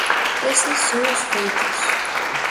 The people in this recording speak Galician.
Eses son os feitos.